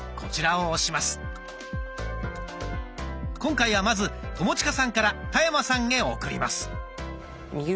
今回はまず友近さんから田山さんへ送ります。